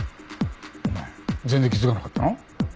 お前全然気付かなかったの？